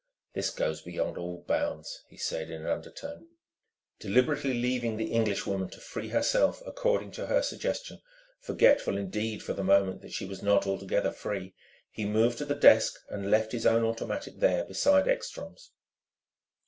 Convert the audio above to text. "This goes beyond all bounds," he said in an undertone. Deliberately leaving the Englishwoman to free herself according to her suggestion forgetful, indeed, for the moment, that she was not altogether free he moved to the desk and left his own automatic there beside Ekstrom's.